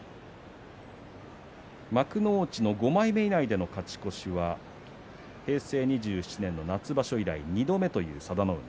幕内の５枚目以内での勝ち越しは平成２７年の夏場所以来２度目という佐田の海